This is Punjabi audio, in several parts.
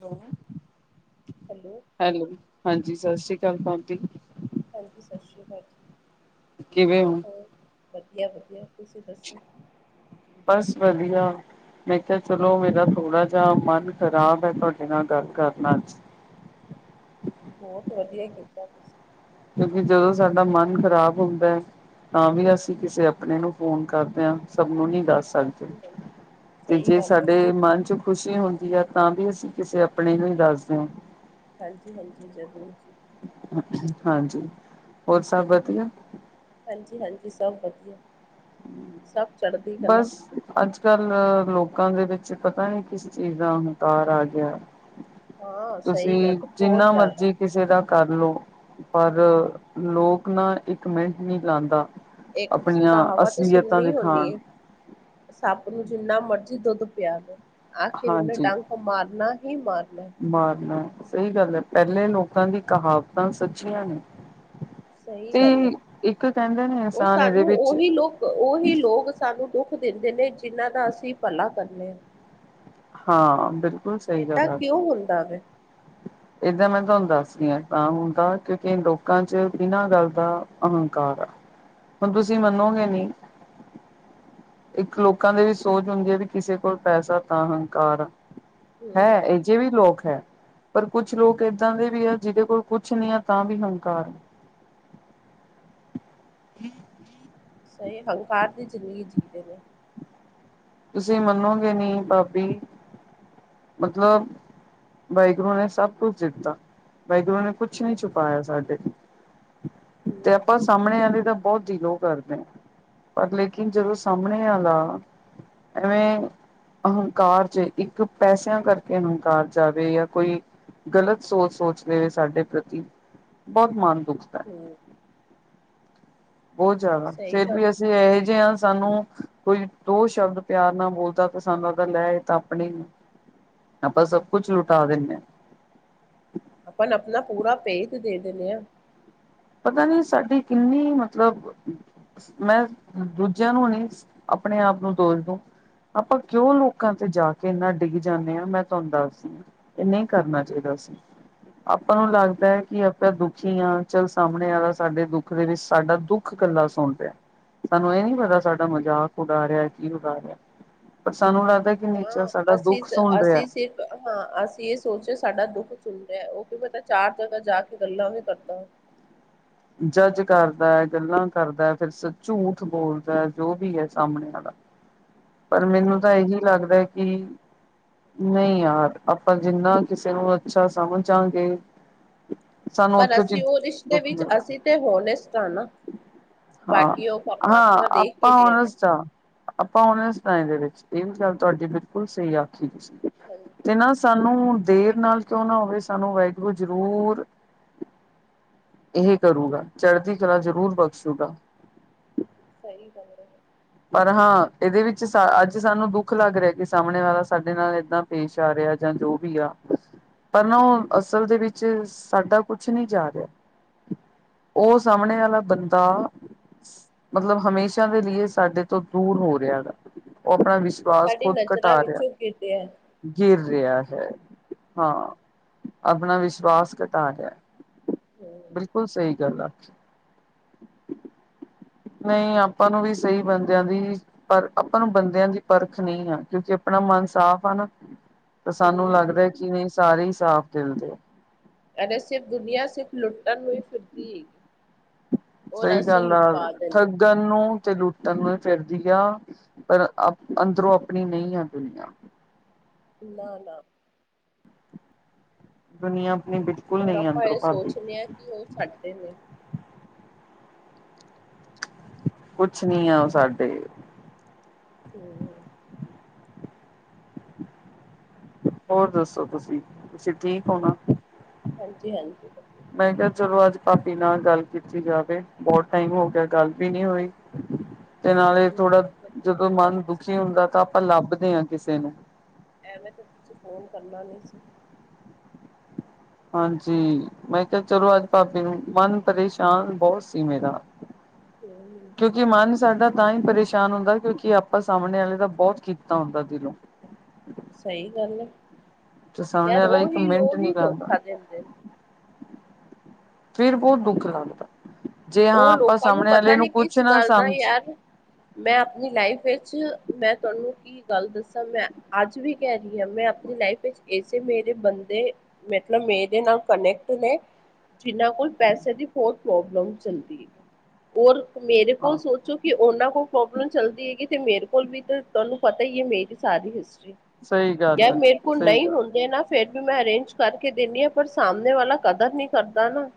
ਹ ਹੈਲੋ ਹੈਲੋ ਹਾਂਜੀ ਸਤਿ ਸ੍ਰੀ ਅਕਾਲ ਭਾਬੀ ਹਾਂਜੀ ਸਤਿ ਸ਼੍ਰੀ ਅਕਾਲ ਜੀ। ਕਿਵੇ ਹੋ ਹੋਰ ਵਧੀਆ ਵਧੀਆ ਤੁਸੀਂ ਦੱਸੋ। ਬਸ ਵਧੀਆ ਮੈਂ ਕਿਹਾ ਚਲੋ ਮੇਰਾ ਥੋੜਾ ਜਿਹਾ ਮਨ ਖਰਾਬ ਹੈ ਤੁਹਾਡੇ ਨਾਲ ਗੱਲ ਕਰ ਲਵਾਂ ਅੱਜ। ਬਹੁਤ ਵਧੀਆ ਕੀਤਾ ਤੁਸੀਂ। ਕਿਉਂਕਿ ਜਦੋਂ ਸਾਡਾ ਮਨ ਖ਼ਰਾਬ ਹੁੰਦਾ ਏ ਤਾਂ ਵੀ ਅਸੀਂ ਕਿਸੇ ਆਪਣੇ ਨੂੰ ਫੋਨ ਕਰਦੇ ਹਾਂ ਸਭ ਨੂੰ ਨੀ ਦੱਸ ਸਕਦੇ ਹਾਂਜੀ ਹਾਂਜੀ ਤੇ ਸਹੀ ਜੇ ਗੱਲ ਹੈ ਸਾਡੇ ਮਨ ਚ ਖੁਸ਼ੀ ਹੁੰਦੀ ਹੈ ਤਾਂ ਵੀ ਅਸੀਂ ਕਿਸੇ ਆਪਣੇ ਨੂੰ ਹੀ ਦੱਸਦੇ ਹਾਂ ਹਾਂਜੀ ਹਾਂਜੀ ਜਰੂਰ ਜੀ ਹਾਂਜੀ ਹੋਰ ਸਭ ਵਧੀਆ ਹਾਂਜੀ ਹਾਂਜੀ ਸਭ ਵਧੀਆ ਸਭ ਚੜ੍ਹਦੀ ਕਲਾ ਬਸ ਅੱਜ ਕੱਲ ਲੋਕਾਂ ਦੇ ਵਿੱਚ ਪਤਾ ਨੀ ਕਿਸ ਚੀਜ਼ ਦਾ ਹੰਕਾਰ ਆ ਗਿਆ ਹਾਂ ਸਹੀ ਗੱਲ ਤੁਸੀਂ ਹੈ, ਬਹੁਤ ਜਿੰਨਾ ਜ਼ਿਆਦਾ ਮਰਜ਼ੀ ਕਿਸੇ ਦਾ ਕਰ ਲਓ ਪਰ ਲੋਕ ਨਾ ਇੱਕ ਮਿੰਟ ਨਹੀਂ ਲਾਉਦਾ ਇੱਕ ਤੁਸੀਂ ਕਹਾਵਤ ਤੇ ਸੁਣੀ ਹੋਨੀ ਏ ਸੱਪ ਨੂੰ ਜਿੰਨਾ ਮਰਜੀ ਦੁੱਧ ਪਿਆ ਦੋ ਆਖਿਰ ਉਹਨੇ ਹਾਂਜੀ ਡੰਗ ਮਾਰਨਾ ਹੀ ਮਾਰਨਾ ਮਾਰਨਾ ਸਹੀ ਗੱਲ ਐ ਪਹਿਲੇ ਲੋਕਾਂ ਦੀ ਕਹਾਵਤਾਂ ਸੱਚੀਆਂ ਨੇ ਸਹੀ ਤੇ ਗੱਲ ਹੈ ਇੱਕ ਕਹਿੰਦੇ ਨੇ ਔਰ ਇਹਸਾਨ ਇਹਦੇ ਸਾਨੂੰ ਵਿੱਚ ਉਹੀ ਲੋਕ ਉਹੀ ਲੋਕ ਸਾਨੂੰ ਦੁੱਖ ਦਿੰਦੇ ਨੇ ਜਿਹਨਾਂ ਦਾ ਅਸੀਂ ਭਲਾ ਕਰਨੇ ਆ ਹਾਂ ਬਿਲਕੁਲ ਸਹੀ ਏਦਾਂ ਗੱਲ ਕਿਉਂ ਆਖੀ ਹੁੰਦਾ ਵੇ ਏਦਾਂ ਮੈਂ ਤੁਹਾਨੂੰ ਦੱਸਦੀ ਹਾਂ ਤਾਂ ਹੁੰਦਾ ਕਿਉਂਕਿ ਲੋਕਾਂ ਚ ਬਿਨਾਂ ਗੱਲ ਦਾ ਅਹੰਕਾਰ ਆ ਹੁਣ ਤੁਸੀਂ ਮੰਨੋਗੇ ਨੀ ਇੱਕ ਲੋਕਾਂ ਦੇ ਵੀ ਸੋਚ ਹੁੰਦੀ ਹੈ ਵੀ ਕਿਸੇ ਕੋਲ ਪੈਸਾ ਤਾਂ ਹੰਕਾਰ ਆ ਹੂੰ ਹੈਂ ਇਹੋ ਹੂੰ ਜੇ ਵੀ ਲੋਕ ਹੈ ਪਰ ਕੁਛ ਲੋਕ ਇੱਦਾਂ ਦੇ ਵੀ ਆ ਜਿਹਦੇ ਕੋਲ ਕੁਛ ਨੀ ਆ ਤਾਂ ਵੀ ਹੰਕਾਰ ਆ ਸਹੀ ਹੰਕਾਰ ਦੀ ਜ਼ਿੰਦਗੀ ਜੀ ਰਹੇ ਨੇ ਤੁਸੀਂ ਮੰਨੋਗੇ ਨਹੀਂ ਭਾਬੀ ਮਤਲਬ ਵਾਹਿਗੁਰੂ ਨੇ ਸਭ ਕੁਛ ਦਿੱਤਾ, ਵਾਹਿਗੁਰੂ ਨੇ ਕੁਛ ਨੀ ਛਿਪਾਇਆ ਸਾਡੇ। ਹੂੰ ਤੇ ਹੂੰ ਆਪਾਂਸ, ਸਾਹਮਣੇ ਆਲੇ ਤਾਂ ਬੋਤ ਦਿਲੋ ਕਰਦੇ ਆ, ਪਰ ਲੇਕਿਨ ਜਦੋਂ ਸਾਹਮਣੇ ਆਲਾ। ਐਵੇਂ, ਅਹੰਕਾਰ ਚ ਇੱਕ ਪੈਸਿਆਂ ਕਰਕੇ ਅਹੰਕਾਰ ਚ ਆ ਜਾਏ ਜਾਂ ਕੋਈ, ਗਲਤ ਸੋਚ ਸੋਚਦੇ ਵੇ ਸਾਡੇ ਪ੍ਰਤੀ ਬੋਤ ਮਾਨ ਦੁਖਦਾ ਹੈ। ਹੂੰ। ਬੋਤ ਜਾਦਾ ਸਹੀ ਫੇਰ ਗੱਲ ਵੀ ਅਸ, ਲੈ ਜੇਹਨ ਸਾਨੂੰ ਕੋਈ ਦੋ ਸ਼ਬਦ ਪਿਆਰ ਨਾ ਬੋਲਦਾ ਤੇ ਸਾਨੂੰ ਹੋਤਾਂ ਲੈ ਇਹ ਤਾਂ ਆਪਣਾ ਈ ਆਪਾਂ ਸਭ ਕੁਛ ਲੁਟਾ ਦਿੰਨੇ ਆ। ਆਪਾਂ ਨ ਆਪਣਾ ਪੂਰਾ ਭੇਤ ਦੇ ਦਿੰਨੇ ਆ। ਪਤਾ ਨੀ ਸਾਡੀ ਕਿੰਨੀ ਮਤਲਬ, ਮੈਂ ਦੂਜਿਆਂ ਨੂੰ ਨੀ ਆਪਣੇ ਆਪ ਨੂੰ ਦੋਸ਼ ਦੂੰ। ਆਪਾਂ ਕਿਉਂ ਲੋਕਾਂ ਤੇ ਜਾ ਕੇ ਇੰਨਾ ਡਿੱਗ ਜਾਂਨੇ ਆ ਮੈਂ ਤੁਹਾਨੂ ਦੱਸਦੀ। ਇਹ ਨਹੀਂ ਕਰਨਾ ਚਾਹੀਦਾ ਸੀ, ਆਪਾਂ ਨੂੰ ਲੱਗਦਾ ਹੈ ਕਿ ਆਪਾਂ ਦੁਖੀ ਹਾਂ ਚਲ। ਸਾਹਮਣੇ ਆਲਾ ਸਾਡੇ ਦੁੱਖ ਦੇ ਵਿੱਚ ਸਾਡਾ ਦੁੱਖ ਕੱਲਾ ਸੁਣ ਰਿਹਾ। ਸਾਨੂੰ ਇਹ ਨੀ ਪਤਾ ਸਾਡਾ ਮਜ਼ਾਕ ਉਡਾ ਰਿਹਾ ਕੀ ਉਡਾ ਰਿਹਾ ਪਰ ਸਾਨੂੰ ਲੱਗਦਾ। ਕਿ ਨੇਚਰ ਸਾਡਾ ਹਾਂ ਅਸੀਂ ਦੁੱਖ ਸੁਣ ਰਿਹਾ। ਅਸੀਂ ਸਿਰਫ ਹਾਂ ਅਸੀਂ ਇਹ ਸੋਚਿਆ ਸਾਡਾ ਦੁੱਖ ਸੁਨ ਰਿਹਾ ਉਹ ਕੀ ਪਤਾ ਚਾਰ ਜਗਾ ਜਾ ਕੇ ਗੱਲਾਂ ਵੀ ਕਰਦਾ ਐ। ਜੱਜ ਕਰਦਾ, ਗੱਲਾਂ ਕਰਦਾ, ਫੇਰ ਝੂਠ ਬੋਲਦਾ ਜੋ ਵੀ ਹੈ ਸਾਹਮਣੇ ਆਲਾ। ਪਰ ਮੈਨੂੰ ਤਾਂ ਹੂੰ ਇਹੀ ਲੱਗਦਾ ਐ ਕਿ, ਨਹੀਂ ਯਾਰ ਆਪਾਂ ਜਿੰਨਾ ਕਿਸੇ ਨੂੰ ਅੱਛਾ ਸਮਝਾਂਗੇ, ਸਾਨੂੰ ਪਰ ਉੱਥੋਂ ਚ ਅਸੀਂ ਉ ਰਿਸ਼ਤੇ ਦੁੱਖ ਵਿੱਚ ਮਿਲਦਾ ਅਸੀਂ ਤੇ ਹੋਨੇਸਟ ਹਾਂ ਨਾ। ਹਾਂ, ਬਾਕੀ ਉਹ ਹਾਂ ਪਰਮਾਤਮਾ ਦੇਖ ਆਪਾਂ ਹੀ ਰਿਹਾ ਵੇ ਹੋਨੋਸਟ ਆ। ਆਪਾਂ ਹੋਨਸਟ ਆ ਇਦੇ ਵਿੱਚ ਇਹ ਵੀ ਗੱਲ ਤੁਹਾਡੀ ਬਿਲਕੁਲ ਸਹੀ ਆ। ਠੀਕ ਹਾਂਜੀ ਤੇ ਨਾ ਸਾਨੂੰ ਦੇਰ ਨਾਲ, ਕਿਉਂ ਨਾ ਹੋਵੇ ਸਾਨੂੰ ਵਾਹਿਗੁਰੂ ਜ਼ਰੂਰ, ਇਹ ਕਰੂਗਾ ਚੜਦੀ ਕਲਾ ਜ਼ਰੂਰ ਬਖਸ਼ੂਗਾ। ਸਹੀ ਗੱਲ ਹੈ। ਪਰ ਹਾਂ ਇਹਦੇ ਵਿੱਚ ਅੱਜ ਸਾਨੂੰ ਦੁੱਖ ਲੱਗ ਰਿਹਾ ਕਿ ਸਾਹਮਣੇ ਵਾਲਾ ਸਾਡੇ ਨਾਲ ਏਦਾਂ। ਪੇਸ਼ ਆ ਰਿਹਾ ਜਾਂ ਜੋ ਵੀ ਆ। ਪਰ ਨਾ ਉ ਅਸਲ ਦੇ ਵਿੱਚ ਸਾਡਾ ਕੁਛ ਨੀ ਜਾ ਰਿਹਾ। ਉ ਸਾਹਮਣੇ ਆਲਾ ਬੰਦਾ ਮਤਲਬ ਹਮੇਸ਼ਾ ਦੇ ਲੀਏ, ਸਾਡੇ ਤੋਂ ਦੂਰ ਹੋ ਰਿਹਾ ਹੈਗਾ ਉ ਆਪਣਾ ਉਹ ਵਿਸ਼ਵਾਸ ਸਾਡੀ ਖੁਦ ਘਟਾ ਨਜ਼ਰਾਂ ਰਿਹਾ। ਵਿੱਚੋਂ ਗਿਰ ਰਿਹਾ ਗੀਰ ਰਿਹਾ ਹੈ, ਹਾਂ। ਆਪਣਾ ਵਿਸ਼ਵਾਸ ਘਟਾ ਰਿਹਾ ਹੈ ਹੂੰ ਬਿਲਕੁਲ ਸਹੀ ਗੱਲ ਆਖੀ। ਨਹੀਂ ਆਪਾਂ ਨੂੰ ਵੀ ਸਹੀ ਬਣਦਿਆਂ ਦੀ, ਪਰ ਆਪਾਂ ਨੂੰ ਬੰਦਿਆਂ ਦੀ ਪਰਖ ਨਈ ਆ ਕਿਉਂਕਿ ਆਪਣਾ ਮਨ ਸਾਫ਼ ਆ ਨਾ। ਤਾਂ ਸਾਨੂੰ ਹੂੰ ਹੂੰ ਲੱਗਦਾ ਕਿ ਨਈ ਸਾਰੇ ਹੀ ਸਾਫ਼ ਦਿਲਦੇ ਆ। ਅਰੇ ਸਿਰਫ ਦੁਨੀਆਂ ਸਿਰਫ ਲੁੱਟਨ ਨੂੰ ਫਿਰਦੀ ਐ। ਸਹੀ ਗੱਲ ਆ ਠੱਗਣ ਨੂੰ ਤੇ ਲੁੱਟਣ ਨੂੰ ਫਿਰਦੀ ਆ। ਪਰ ਅ ਅੰਦਰੋਂ ਆਪਣੀ ਨਈ ਆ ਦੁਨੀਆਂ। ਨਾ- ਨਾ ਦੁਨੀਆਂ ਆਪਣੀ ਬਿਲਕੁਲ ਔਰ ਨਈ ਆਪਾਂ ਅੰਦਰੋਂ ਇਹ ਭਾਂਦੀ। ਸੋਚਦੇ ਹਾਂ ਕਿ ਉ ਛੱਡਦੇ ਨੇ? ਕੁਛ ਨੀ ਆ ਉਹ ਸਾਡੇ। ਤੇ ਹੋਰ ਦੱਸੋ ਤੁਸੀਂ, ਤੁਸੀਂ ਠੀਕ ਹੋ ਨਾ। ਹਾਂਜੀ-ਹਾਂਜੀ, ਵਧੀਆ। ਮੈਂ ਕਿਹਾ, ਚਲੋ, ਅੱਜ ਭਾਪੀ ਨਾਲ ਗੱਲ ਕੀਤੀ ਜਾਵੇ, ਬਹੁਤ ਟਾਈਮ ਹੋ ਗਿਆ, ਗੱਲ ਵੀ ਨੀ ਹੋਈ। ਤੇ ਨਾਲੇ ਹਾਂਜੀ ਥੋੜਾ, ਬਹੁਤ ਵਧੀਆ ਜਦੋਂ ਕੀਤਾ ਮਨ ਤੁਸੀਂ ਦੁਖੀ ਫੋਨ ਹੁੰਦਾ, ਤਾਂ ਆਪਾਂ ਕੀਤਾ ਲੱਭਦੇ ਹਾਂ ਕਿਸੇ ਨੂੰ। ਐਵੇਂ ਤਾਂ, ਤੁਸੀਂ ਫੋਨ ਕਰਨਾ ਨੀ ਸੀ। ਹਾਂਜੀ, ਮੈਂ ਕਿਹਾ ਚਲੋ ਅੱਜ ਭਾਬੀ ਨੂੰ, ਮਨ ਪਰੇਸ਼ਾਨ ਬਹੁਤ ਸੀ ਮੇਰਾ। ਤੇ [inaudible] ਕਿਉਂਕਿ ਮਨ ਸਾਡਾ ਤਾਂ ਹੀ ਪਰੇਸ਼ਾਨ ਹੁੰਦਾ, ਕਿਉਂਕਿ ਆਪਾਂ ਸਾਹਮਣੇ ਵਾਲੇੇ ਦਾ ਬਹੁਤ ਕੀਤਾ ਹੁੰਦਾ, ਦਿਲੋਂ। ਸਹੀ ਗੱਲ ਹੈ, ਤੇ ਸਾਹਮਣੇ ਯਾਰ ਵਾਲਾ ਇੱਕ ਉਹੀ ਮਿੰਟ ਲੋਕ ਹੀ ਨੀ ਲਾਂਦਾ ਧੋਖਾ ਦਿੰਦੇ ਨੇ। ਫਿਰ ਬਹੁਤ ਦੁੱਖ ਲੱਗਦਾ, ਜੇ ਹਾਂ, ਉਹ ਆਪਾਂ ਲੋਕਾਂ ਸਾਹਮਣੇ ਵਾਲੇ ਪਤਾ ਨੂੰ ਨੀ ਕੁਛ ਕਿਸ ਨਾ ਗੱਲ ਦਾ ਸਮਝ। ਯਾਰ ਮੈਂ ਆਪਣੀ ਲਾਈਫ ਵਿੱਚ, ਮੈਂ ਤੁਹਾਨੂੰ ਕੀ। ਕੀ ਗੱਲ ਦੱਸਾਂ, ਮੈਂ ਅੱਜ ਵੀ ਕਹਿ ਰਹੀ ਹਾਂ, ਮੈਂ ਆਪਣੀ ਲਾਈਫ ਵਿੱਚ ਇਸੇ ਮੇਰੇ ਬੰਦੇ। ਮਤਲਬ ਮੇਰੇ ਨਾਲ ਕਨੈਕਟ ਨੇ, ਜਿਨਾਂ ਕੋਲ ਪੈਸੇ ਦੀ ਬਹੁਤ ਪ੍ਰੋਬਲਮ। ਚੱਲਦੀ ਹੈ, ਹੋਰ, ਮੇਰੇ ਹਾਂ ਕੋਲ ਸੋਚੋ। ਕਿ ਉਹਨਾਂ ਕੋਲ ਪ੍ਰੋਬਲਮ ਚੱਲਦੀ ਹੈਗੀ ਤੇ ਮੇਰੇ ਕੋਲ ਵੀ ਤੁਹਾਨੂੰ ਪਤਾ ਹੀ ਹੈ, ਮੇਰੀ ਸਾਰੀ ਹਿਸਟਰੀ। ਸਹੀ ਗੱਲ ਯਾਰ, ਹੈ ਮੇਰੇ ਕੋਲ ਸਹੀ ਨਹੀਂ ਗੱਲ ਹੁੰਦੇ ਨਾ। ਫੇਰ ਵੀ ਮੈਂ ਅਰੇਂਜ ਕਰਕੇ ਦੇਿੰਦੀ ਹਾਂ, ਪਰ ਸਾਹਮਣੇ ਵਾਲਾ ਕਦਰ ਨੀ ਕਰਦਾ ਨਾ।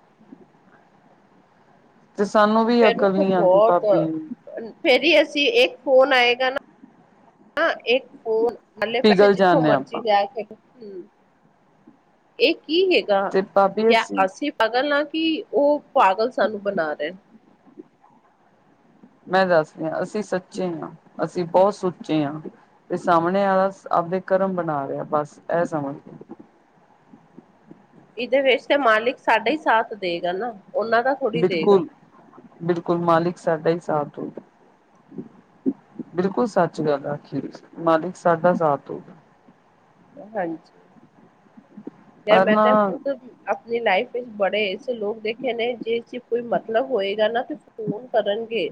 ਤੇ ਸਾਨੂੰ ਵੀ। ਫੇਰ ਅਕਲ ਉਥੇ ਨੀ ਆਉਂਦੀ ਬਹੁਤ, ਭਾਬੀ ਫੇਰ ਹੀ ਅਸੀਂ ਇੱਕ ਫੋਨ ਆਏਗਾ ਨਾ। ਹਾਂ ਇੱਕ ਫੋਨ ਪੈਸੇ ਪਿਘਲ ਜਿੱਥੋਂ ਜਾਂਦੇ ਮਰਜੀ ਆਪਾਂ ਲਿਆ ਕੇ, ਹਮ ਇਹ ਕੀ ਹੈਗਾ, ਤੇ ਭਾਬੀ ਜਾਂ ਅਸੀਂ ਪਾਗਲ ਆ ਕਿ ਉਹ ਪਾਗਲ ਸਾਨੂੰ ਬਣਾ ਰਹੇ। ਮੈਂ ਦੱਸਦੀ ਆ, ਅਸੀਂ ਸੱਚੇ ਹਾਂ, ਅਸੀਂ ਬਹੁਤ ਸੁੱਚੇ ਹਾਂ। ਤੇ ਸਾਹਮਣੇ ਆਲਾ ਆਪਦੇ ਕਰਮ ਬਣਾ ਰਿਹਾ, ਬਸ ਇਹ ਸਮਝ। ਇਹਦੇ ਵਿੱਚ ਤੇ ਮਾਲਿਕ ਸਾਡਾ ਹੀ ਸਾਥ ਦੇਗਾ ਨਾ, ਉਹਨਾਂ ਦਾ। ਥੋੜ੍ਹੀ ਦੇਗਾ ਬਿਲਕੁਲ, ਬਿਲਕੁਲ ਮਾਲਿਕ ਸਾਡਾ ਹੀ ਸਾਥ। ਬਿਲਕੁਲ ਸੱਚ ਗੱਲ ਆ ਅਖੀਰ ਵਿੱਚ, ਮਾਲਿਕ ਸਾਡਾ ਸਾਥ ਹੋਊਗਾ। ਹਾਂਜੀ, ਯਾਰ ਪਰ ਮੈਂ ਨਾ ਤਾਂ ਖੁਦ। ਆਪਣੀ ਲਾਈਫ ਵਿੱਚ ਬੜੇ ਐੇਸੇ ਲੋਕ ਦੇਖੇ ਨੇ, ਜੇ ਕੋਈ ਮਤਲਬ ਹੋਏਗਾ ਨਾ ਤੇ ਫੋਨ ਕਰਨਗੇ।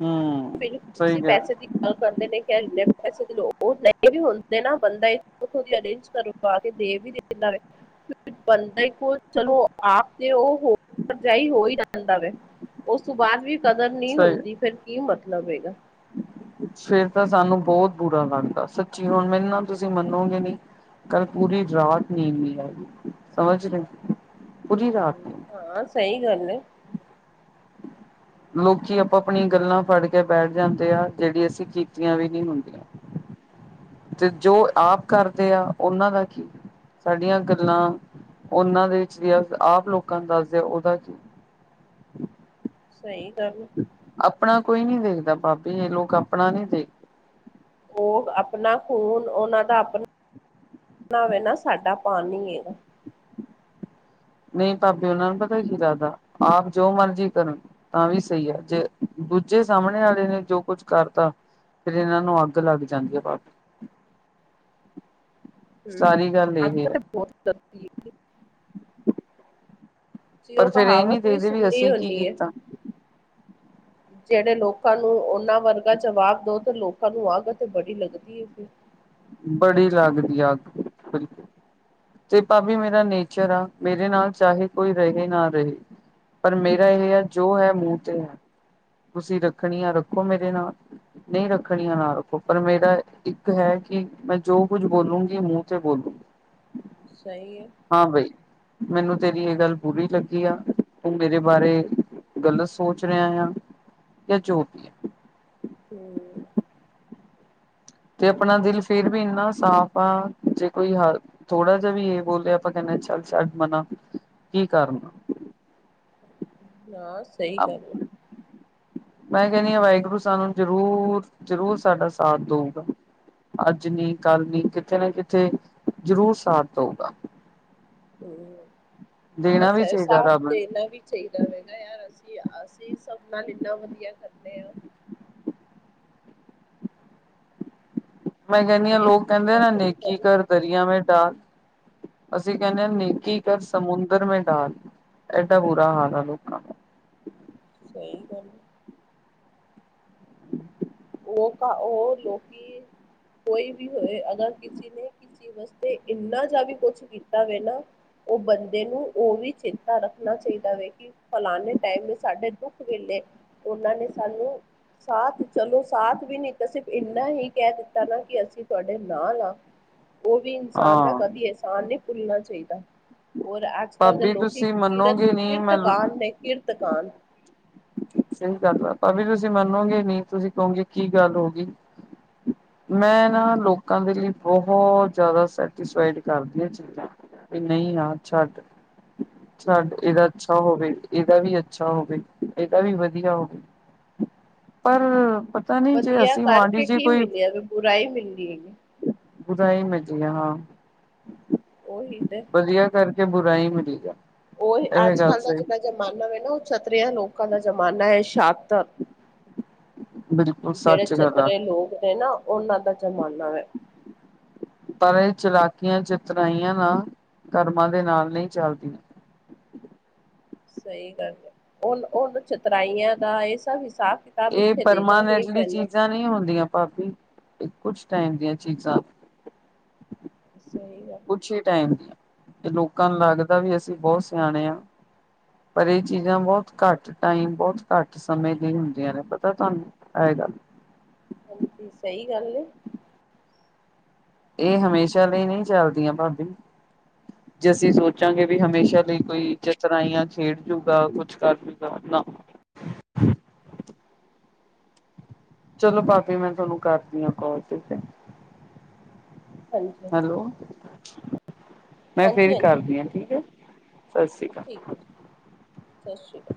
ਹਾਂ ਅ। ਸਈ, ਤੁਸੀਂ ਪੈਸੇ ਦੀ। ਅ ਕਰਦੇ ਨੇ, ਕਹਿ ਇੰਨੇ ਪੈਸੇ ਦੀ ਲਓ [unintelligible] ਓ ਲੋਨ ਵੀ ਹੁੰਦੇ ਨਾ, ਬੰਦਾ ਏਥੋਂ ਦੀ ਅਰੇਂਜ ਕਰ ਪਾ ਕੇ ਦੇ ਵੀ ਦਿੰਦਾ ਵੇ। ਬੰਦੇ ਕੋਲ, ਚਲੋ ਆਪ 'ਤੇ ਉਹ, ਭਰਜਾਈ ਹੋਈ ਜਾਂਦਾ ਵੇ। ਉਸ ਤੋਂ ਬਾਅਦ ਵੀ ਕਦਰ ਨੀ ਸਹੀ ਹੁੰਦੀ, ਫਿਰ ਕੀ ਮਤਲਬ ਹੈਗਾ। ਫੇਰ ਤਾਂ ਸਾਨੂੰ ਬਹੁਤ ਬੁਰਾ ਲੱਗਦਾ, ਸੱਚੀ ਹੁਣ ਮੈਨੂੰ ਨਾ, ਤੁਸੀਂ ਮੰਨੋਗੇ ਨੀ। ਕੱਲ ਪੂਰੀ ਰਾਤ ਨੀਂਦ ਨੀ ਆਈ, ਸਮਝ ਗਏ, ਪੂਰੀ ਰਾਤ। ਹੂੰ, ਨੀਂਦ ਹਾਂ, ਸਈ ਗੱਲ ਏ। ਲੋਕੀ, ਆਪੋ ਆਪਣੀ ਗੱਲਾਂ ਫੜ ਕੇ ਬੈਠ ਜਾਂਦੇ ਆ, ਜਿਹੜੀ ਅਸੀਂ ਕੀਤੀਆਂ ਵੀ ਨੀ ਹੁੰਦੀਆਂ। 'ਤੇ ਜੋ ਆਪ ਕਰਦੇ ਆ, ਉਹਨਾਂ ਦਾ ਕੀ। ਸਾਡੀਆਂ ਗੱਲਾਂ, ਉਹਨਾਂ ਦੇ ਵਿੱਚ ਵੀ ਆਪ ਲੋਕਾਂ ਨੂੰ ਦੱਸਦੇ ਆ, ਉਹਦਾ ਕੀ। ਸਹੀ ਗੱਲ। ਆਪਣਾ ਕੋਈ ਨੀ ਦੇਖਦਾ ਭਾਬੀ, ਇਹ ਲੋਕ ਆਪਣਾ ਨੀ ਦੇਖ। ਉਹ ਆਪਣਾ ਖੂਨ, ਉਹਨਾਂ ਦਾ ਆਪਣਾ। ਨਾਵੇ ਨਾ ਸਾਡਾ ਪਾਨੀ ਹੈ। ਨਹੀ ਭਾਬੀ ਉਹਨਾਂ ਨੂੰ ਪਤਾ ਕੀ ਲਗਦਾ ਆਪ ਜੋ ਮਰਜ਼ੀ ਕਰਨ ਤਾਂ ਵੀ ਸਈ ਆ, ਜੇ ਦੂਜੇ ਸਾਹਮਣੇ ਵਾਲੇ ਨੇ ਜੋ ਕੁੱਝ ਕਰਤਾ ਫੇਰ ਇਹਨਾਂ ਨੂੰ ਅੱਗ ਲੱਗ ਜਾਂਦੀ ਏ ਭਾਬ ਹੂੰ ਸਾਰੀ ਗੱਲ ਇਹ ਅੱਜ-ਕਲ ਹੈ 'ਤੇ ਬਹੁਤ ਜਲ ਦੀ। ਜੇ ਪਰ ਉਹ ਫੇਰ ਇਹ ਨੀ ਕਹਾਵਤ ਵੀ ਦੇਖਦੇ ਸੁੁੰਨੀ ਅਸੀਂ ਕੀ ਹੁੰਦੀ ਏ‌। ਕੀਤਾ ਜੇੜੇ ਲੋਕਾਂ ਨੂੰ ਉਹਨਾਂ ਵਰਗਾ ਜਵਾਬ ਦੋ 'ਤੇ ਲੋ ਕਦੀ ਆਗ 'ਤੇ ਬੜੀ ਲੱਗਦੀ ਏ ਫਿਰ। ਬੜੀ ਲੱਗਦੀ ਅੱਗ ਬਿਲਕੁਲ 'ਤੇ ਭਾਬੀ ਮੇਰਾ ਨੇਚਰ ਆ, ਮੇਰੇ ਨਾਲ ਚਾਹੇ ਕੋਈ ਰਹੇ ਨਾ ਰਹੇ। ਪਰ ਮੇਰਾ ਹੂੰ, ਇਹ ਹੈ ਜੋ ਹੈ ਮੂੰਹ 'ਤੇ ਹੈ, ਤੁਸੀਂ ਰੱਖਣੀ ਆ ਰੱਖੋ ਮੇਰੇ ਨਾਲ। ਨਈ ਰੱਖਣੀ ਆ ਨਾਲ, ਉਪਰ ਮੇਰਾ ਇੱਕ ਹੈ ਕਿ ਮੈਂ ਜੋ ਕੁੱਝ ਬੋਲੂਗੀ ਮੂੰਹ 'ਤੇ ਬੋਲੂਗੀ। [inaudible] ਸਹੀ ਏ। ਹਾਂ ਬਈ, ਮੈਨੂੰ ਤੇਰੀ ਇਹ ਗੱਲ ਬੁਰੀ ਲੱਗੀ ਆ ਉਹ ਮੇਰੇ ਬਾਰੇ ਗਲਤ ਸੋਚ ਰਹੇ ਆਂ। ਜਾਂ ਜੋ ਵੀ। ਹੂੰ 'ਤੇ ਆਪਣਾ ਦਿਲ ਫਿਰ ਵੀ ਇੰਨਾ ਸਾਫ਼ ਆ ਜੇ ਕੋਈ ਹ ਥੋੜਾ ਜਿਹਾ ਵੀ ਇਹ ਬੋਲੇ ਆਪਾਂ ਕਹਿੰਨੇ ਆ ਚੱਲ ਛੱਡ ਮਨਾ ਕੀ ਕਰਨ। ਨਾ ਸਹੀ ਗੱਲ ਏ। [inaudible] ਮੈਂ ਕਹਿੰਨੀ ਆਂ ਵਾਹਿਗੁਰੂ ਸਾਨੂੰ ਜ਼ਰੂਰ-ਜ਼ਰੂਰ ਸਾਡਾ ਸਾਥ ਦਊਗਾ। ਅੱਜ ਨੀ ਕੱਲ ਨੀ ਕੀਤੇ ਨਾ ਕੀਤੇ ਜ਼ਰੂਰ ਸਾਥ ਦਊਗਾ। ਹੂੰ, ਹਾਂ ਦੇਣਾ ਵੀ ਸੇ ਚਾਹੀਦਾ ਸਾਥ ਰੱਬ ਨੂੰ ਦੇਣਾ ਵੀ ਚਾਈਦਾ ਵੇ ਨਾ ਯਾਰ ਅਸੀਂ, ਅਸੀਂ ਸਭ ਨਾਲ ਇੰਨਾ ਵਧੀਆ ਕਰਦੇ ਆਂ। ਮੈਂ ਕਹਿੰਨੀ ਆ ਕੋਈ ਲੋਕ ਅਸੀਂ ਕਹਿੰਦੇ ਪੂਰਾ ਨਾ ਥੋੜੀ ਨੇਕੀ ਕਮੀ ਘਰ ਦਰਿਆ ਮੇਂ ਡਾਲ‌। ਅਸੀਂ ਕਹਿੰਨੇ ਆ ਨੇਕੀ ਕਰ ਸਮੁੰਦਰ ਮੇਂ ਡਾਲ, ਐਡਾ ਬੁਰਾ ਹਾਲ ਆ ਲੋਕਾਂ ਦਾ। ਸਹੀ ਗੱਲ। [inaudible] ਲੋਕਾ ਉਹ ਲੋਕੀ, ਕੋਈ ਵੀ ਹੋਏ ਅਗਰ ਕਿਸੀ ਨੇ ਕਿਸੀ ਵਾਸਤੇ ਇੰਨਾ ਜਾ ਵੀ ਕੁਛ ਕੀਤਾ ਵੇ ਨਾ ਉਹ ਬੰਦੇ ਨੂੰ ਉਹ ਵੀ ਚੇਤਾ ਰੱਖਣਾ ਚਾਹੀਦਾ ਵੇ ਕੀ ਫਲਾਣੇ ਟਾਈਮ ਸਾਡੇ ਦੁੱਖ ਵੇਲੇ ਉਹਨਾਂ ਨੇ ਸਾਨੂੰ, ਸਾਥ ਚਲੋ ਸਾਥ ਵੀ ਨੀ ਦਿੱਤਾ, ਸਿਰਫ ਇੰਨਾ ਹੀ ਕਹਿ ਦਿੱਤਾ ਨਾ ਕਿ ਅਸੀਂ ਤੁਹਾਡੇ ਨਾਲ ਆ ਉਹ ਵੀ ਇਨਸਾਨ ਦਾ ਹਾਂ ਕਦੇ ਅਹਿਸਾਨ ਨਹੀਂ ਭੁੱਲਣਾ ਚਾਹੀਦਾ ਉਹ ਐਪ ਅੱਜ -ਕੱਲ ਦੇ ਭਾਬੀ ਲੋਕੀ ਤੁਸੀਂ ਕਿਰਤ, ਮੰਨੋਗੇ ਨੀ ਕਿਰਤ ਮੈਂ ਕਾਨ ਨੇ ਕਿਰਤਕਾਨ। ਸਹੀ ਗੱਲ ਬਾ ਭਾਵੇਂ ਤੁਸੀਂ ਮੰਨੋਗੇ ਨਹੀਂ ਤੁਸੀਂ ਕਹੋਗੇ ਕੀ ਗੱਲ ਹੋ ਗਈ ਮੈਂ ਨਾ ਲੋਕਾਂ ਦੇ ਲਈ ਬਹੁਤ ਜ਼ਿਆਦਾ ਸੈਟਿਸਫਾਈਡ ਕਰਦੀ ਹਾਂ ਚੀਜ਼ਾਂ ਨੂੰ ਕਿ ਨਹੀ ਯਾਰ ਛੱਡ। ਛੱਡ, ਇਹਦਾ ਅੱਛਾ ਹੋਵੇ ਇਹਦਾ ਵੀ ਅੱਛਾ ਹੋਵੇ। ਇਹਦਾ ਵੀ ਵਧੀਆ ਹੋਊ ਪਰ ਪਤਾ ਨੀ ਜੇ ਵਧੀਆ ਅਸੀਂ ਮਾਂਡੀ ਕਰਕੇ ਜੀ ਕੀ ਕੋਈ। ਮਿਲਿਆ ਵੀ ਬੁਰਾਈ ਮਿਲਦੀ ਹੈਗੀ। ਬੁਰਾਈ ਮਿਲੀ ਆ ਹਾਂ ਉਹੀ ਤੇ ਵਧੀਆ ਕਰਕੇ ਬੁਰਾਈ ਮਿਲੀ ਆ। ਉਹੀ ਇਹ ਅੱਜ- ਗੱਲ ਕੱਲ੍ਹ ਦਾ ਸਹੀ ਜਿਹੜਾ ਜ਼ਮਾਨਾ ਹੈ ਨਾ ਉਹ ਚਤਰਿਆਂ ਲੋਕਾਂ ਦਾ ਜ਼ਮਾਨਾ ਹੈ ਸ਼ਾਤ। ਬਿਲਕੁਲ ਜਿਹੜੇ ਸੱਚ ਗੱਲ ਆ ਚਤਰੇ ਲੋਕ ਨੇ ਨਾ ਉਹਨਾਂ ਦਾ ਜ਼ਮਾਨਾ ਹੈ। ਪਰ ਇਹ ਚਲਾਕੀਆਂ ਚਿਤਰਾਈਆਂ ਨਾ ਕਰਮਾਂ ਦੇ ਨਾਲ ਨਹੀਂ ਚੱਲਦੀਆਂ। ਸਹੀ ਗੱਲ ਹੈ ਉਹਨ ਉਹਨੂੰ ਚਤਰਾਈਆਂ ਦਾ ਇਹ ਸਭ ਹਿਸਾਬ ਕਿਤਾਬ ਇਹ ਇੱਥੇ ਦੇਣਾ ਹੀ ਪਰਮਾਨੈਂਟਲੀ ਪੈਣਾ ਚੀਜ਼ਾਂ ਨਹੀਂ ਹੁੰਦੀਆਂ ਭਾਬੀ ਇਹ ਕੁਛ ਟਾਈਮ ਦੀਆਂ ਚੀਜ਼ਾਂ। ਸਹੀ ਗੱਲ ਹੈ। ਕੁਛ ਹੀ ਟਾਈਮ ਦੀ ਤੇ ਲੋਕਾਂ ਨੂੰ ਲੱਗਦਾ ਵੀ ਅਸੀਂ ਬਹੁਤ ਸਿਆਣੇ ਹਾਂ। ਪਰ ਇਹ ਚੀਜ਼ਾਂ ਬਹੁਤ ਘੱਟ ਟਾਈਮ ਬਹੁਤ ਘੱਟ ਸਮੇਂ ਲਈ ਹੁੰਦੀਆਂ ਨੇ ਪਤਾ ਤੁਹਾਨੂੰ। ਆ ਗੱਲ। ਹਾਂਜੀ ਸਹੀ ਗੱਲ ਏ। ਇਹ ਹਮੇਸ਼ਾ ਲਈ ਨਹੀਂ ਚੱਲਦੀਆਂ ਭਾਬੀ ਜੇ ਅਸੀਂ ਸੋਚਾਂਗੇ ਵੀ ਹਮੇਸ਼ਾ ਲਈ ਕੋਈ ਚਤਰਾਈਆਂ ਖੇਡ ਜੂਗਾ ਕੁਛ ਕਰ ਜੂਗਾ ਨਾ। ਚਲੋ ਭਾਬੀ ਮੈਂ ਤੁਹਾਨੂੰ ਕਰਦੀ ਹਾ ਕਾਲ ਤੇ। ਹਾਂਜੀ ਹੈਲੋ। ਮੈਂ ਹਾਂਜੀ, ਫੇਰ ਹਾਂਜੀ ਕਰਦੀ ਹਾਂ ਠੀਕ ਹੈ। ਸਤਿ ਸ਼੍ਰੀ ਅਕਾਲ ਠੀਕ ਹੈ। ਜੀ। ਸਤਿ ਸ਼੍ਰੀ ਅਕਾਲ।